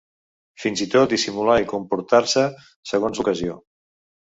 Fins i tot dissimular i comportar-se segons l'ocasió.